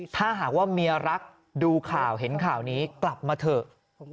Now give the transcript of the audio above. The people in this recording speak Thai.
ถ้าหากว่าเมียรักดูข่าวเห็นข่าวนี้กลับมาเถอะ